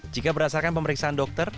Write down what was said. jika berdasarkan pemeriksaan dokter